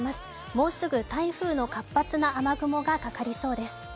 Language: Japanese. もうすぐ台風の活発な雨雲がかかりそうです。